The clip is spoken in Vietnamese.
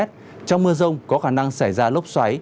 trong mưa rông có khả năng xảy ra lốc xoáy